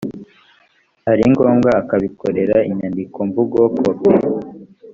ari ngombwa akabikorera inyandikomvugo kopi